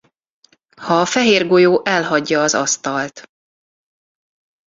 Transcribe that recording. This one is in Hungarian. Ha a fehér golyó elhagyja az asztalt.